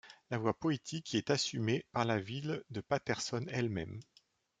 La voix poétique y est assumée par la ville de Paterson elle-même.